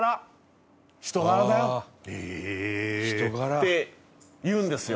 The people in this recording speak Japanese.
人柄。って言うんですよ。